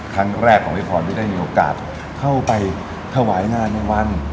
คลานก็แรกของพี่พอร์ตจะได้ได้มีโอกาสเข้าไปเถวายงานในวัน